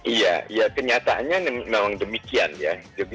iya ya kenyataannya memang demikian ya